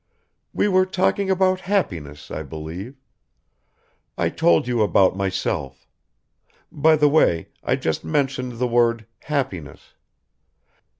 "We were talking about happiness, I believe. I told you about myself. By the way, I just mentioned the word 'happiness.'